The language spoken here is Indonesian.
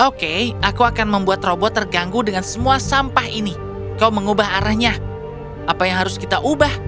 oke aku akan membuat robot terganggu dengan semua sampah ini kau mengubah arahnya apa yang harus kita ubah